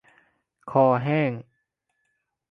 คอแห้ง